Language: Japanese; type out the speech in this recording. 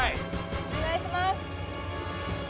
お願いします。